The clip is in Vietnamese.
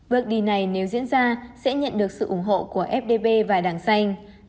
bước đi này nếu diễn ra sẽ nhận được sự ủng hộ của fdb và đảng xanh